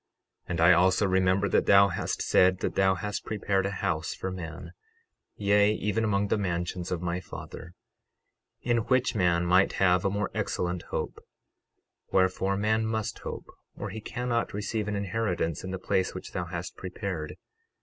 12:32 And I also remember that thou hast said that thou hast prepared a house for man, yea, even among the mansions of thy Father, in which man might have a more excellent hope; wherefore man must hope, or he cannot receive an inheritance in the place which thou hast prepared.